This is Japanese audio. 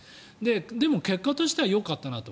でも結果としてはよかったなと。